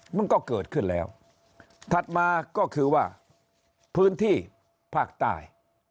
มันก็เกิดขึ้นแล้วถัดมาก็คือว่าพื้นที่ภาคใต้